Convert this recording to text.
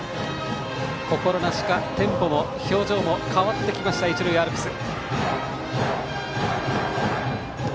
心なしかテンポも表情も変わってきました一塁アルプス。